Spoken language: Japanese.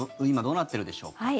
今、どうなっているでしょうか。